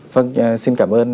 vâng xin cảm ơn